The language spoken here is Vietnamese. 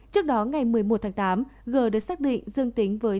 trước đó ngày một mươi một tháng tám g được xác định dương tính với